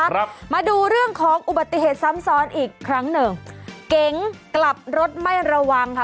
ครับมาดูเรื่องของอุบัติเหตุซ้ำซ้อนอีกครั้งหนึ่งเก๋งกลับรถไม่ระวังค่ะ